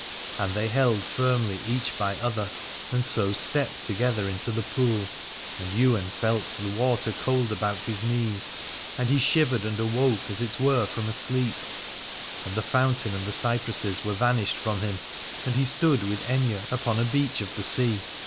And they held firmly each by other, and so stepped together into the pool : and Ywain felt the water cold about his knees. And he shivered and awoke as it were from a sleep : and the fountain and the cypresses were vanished from him and he stood with Aithne upon a beach of the sea.